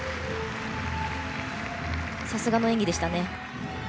さすがの演技でしたね。